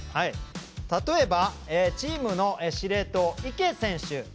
例えば、チームの司令塔池選手。